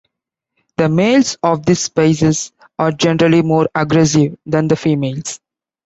The males of this species are generally more aggressive than the females.